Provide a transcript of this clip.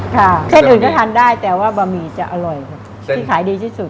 เส้นอื่นก็ทานได้แต่ว่าบะหมี่จะอร่อยที่ขายดีที่สุด